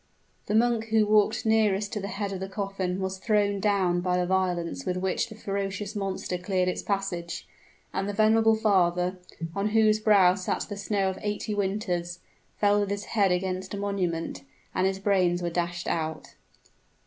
The monk who walked nearest the head of the coffin was thrown down by the violence with which the ferocious monster cleared its passage; and the venerable father on whose brow sat the snow of eighty winters fell with his head against a monument, and his brains were dashed out.